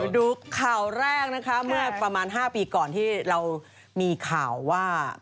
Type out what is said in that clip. ดูข่าวแรกนะคะเมื่อประมาณ๕ปีก่อนที่เรามีข่าวว่า